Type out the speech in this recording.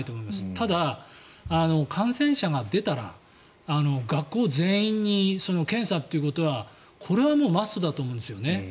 ただ、感染者が出たら学校全員に検査ということはこれはマストだと思うんです。